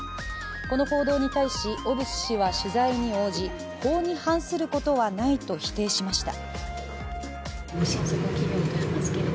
この報道に対し、小渕氏は取材に応じ法に反することはないと否定しました。